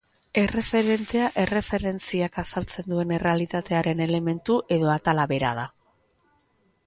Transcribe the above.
Erreferentea erreferentziak azaltzen duen errealitatearen elementu edo atala bera da.